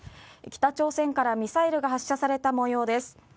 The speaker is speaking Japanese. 北朝鮮からミサイルが発射された模様です。